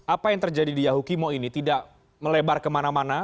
apa yang terjadi di yahukimo ini tidak melebar kemana mana